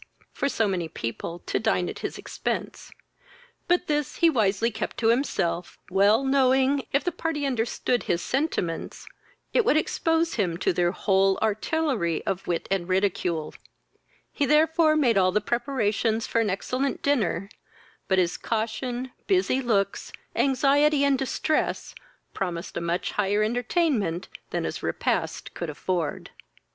for so many people to dine at his expence: but this he wisely kept to himself, well knowing, if the part understood his sentiments, it would expose him to their whole artillery of wit and ridicule; he therefore made all the preparations for an excellent dinner, but his caution, busy looks, anxiety, and distress, promised a much higher entertainment than his repast could afford.